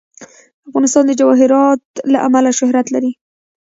افغانستان د جواهرات له امله شهرت لري.